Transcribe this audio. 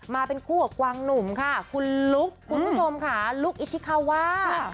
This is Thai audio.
มาเป็นคู่กับกวางหนุ่มค่ะคุณลุ๊กคุณผู้ชมค่ะลุคอิชิคาวา